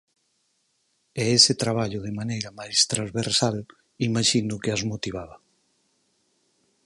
E ese traballo de maneira máis transversal imaxino que as motivaba.